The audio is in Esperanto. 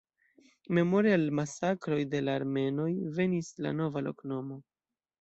Memore al masakroj de la armenoj venis la nova loknomo.